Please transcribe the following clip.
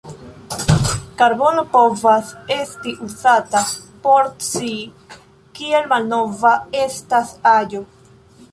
Karbono povas esti uzata por scii, kiel malnova estas aĵo.